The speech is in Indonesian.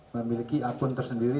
memiliki akun tersendiri